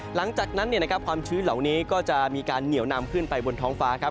หลังจากนั้นความชื้นเหล่านี้ก็จะมีการเหนียวนำขึ้นไปบนท้องฟ้าครับ